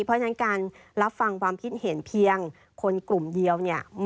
เพราะฉะนั้นการรับฟังคิดเห็นเพียงคนกลุ่มเดียว